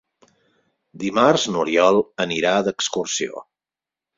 Dimarts n'Oriol anirà d'excursió.